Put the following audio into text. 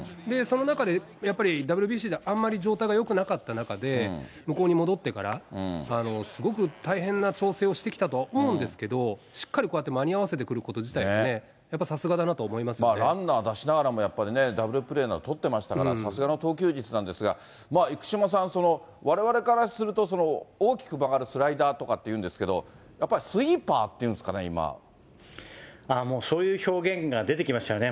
その中でやっぱり、ＷＢＣであんまり状態がよくなかった中で、向こうに戻ってからすごく大変な調整をしてきたと思うんですけど、しっかりこうやって間に合わせてくること自体、やっぱりさすがだランナー出しながらも、やっぱりね、ダブルプレーなど取ってましたから、さすがの投球術なんですが、まあ生島さん、われわれからすると、大きく曲がるスライダーとかっていうんですが、やっぱりスイーパーっていうんですかそういう表現が出てきましたね。